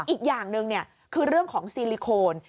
อีกอย่างหนึ่งคือเรื่องของซีลิโคน